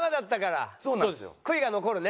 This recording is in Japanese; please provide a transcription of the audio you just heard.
悔いが残るね？